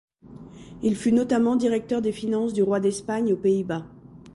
Il fut notamment directeur des finances du roi d'Espagne aux Pays-Bas.